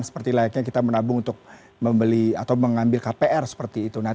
seperti layaknya kita menabung untuk membeli atau mengambil kpr seperti itu